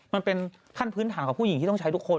มันเป็นขั้นพื้นฐานของผู้หญิงที่ต้องใช้ทุกคน